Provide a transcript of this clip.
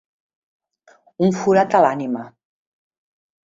Un forat a l’ànima.